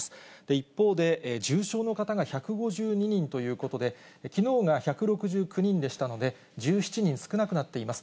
一方で、重症の方が１５２人ということで、きのうが１６９人でしたので、１７人少なくなっています。